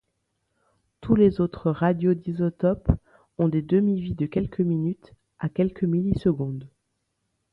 Tous les autres radiodisotopes ont des demi-vies de quelques minutes à quelques millisecondes.